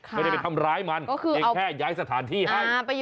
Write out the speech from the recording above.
ไม่ได้ไปทำร้ายมันเพียงแค่ย้ายสถานที่ให้